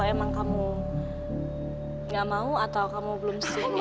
kalau emang kamu gak mau atau kamu belum setuju